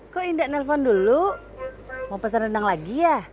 kok indah nelpon dulu mau pesan rendang lagi ya